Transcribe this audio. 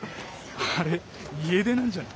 あれ家出なんじゃない？